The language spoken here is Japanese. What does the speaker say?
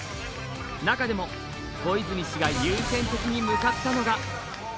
中でも、小泉氏が優先的に向かったのが。